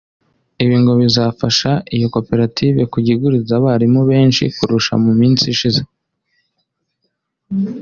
Ibi ngo bizafasha iyo koperative kujya iguriza abarimu benshi kurusha mu minsi yashize